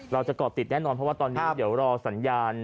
ก่อติดแน่นอนเพราะว่าตอนนี้เดี๋ยวรอสัญญาณ